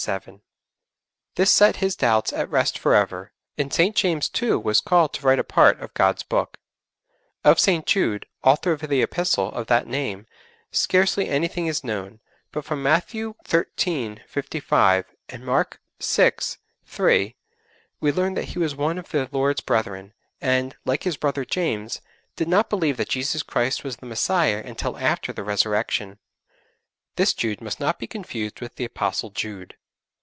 7.) This set his doubts at rest for ever, and St. James too was called to write a part of God's Book. Of St. Jude, author of the Epistle of that name, scarcely anything is known, but from Matthew xiii. 55 and Mark vi. 3 we learn that he was one of the Lord's brethren, and, like his brother, James, did not believe that Jesus Christ was the Messiah until after the Resurrection. This Jude must not be confused with the Apostle Jude.